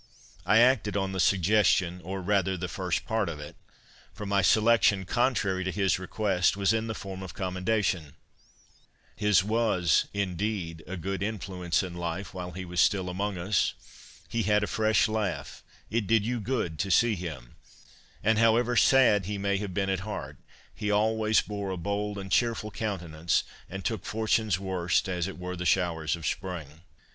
I acted on the suggestion, or, rather, the first part of it ; for my selection, contrary to his request, was in the form of commendation :'" His was, indeed, a good influence in life while he was still among us ; he had a fresh laugh ; it did you good to see him ; and, however sad he may have been at heart, he always bore a bold and cheer ful countenance, and took fortune's worst as it were the showers of spring."